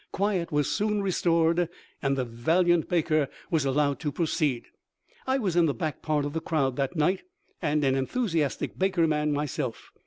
Quiet was soon re stored, and the valiant Baker was allowed to pro ceed. I was in the back part of the crowd that night, and an enthusiastic Baker man myself.